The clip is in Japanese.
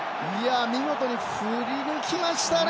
見事に振りぬきましたね！